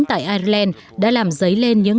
tại ireland đã làm giấy lên những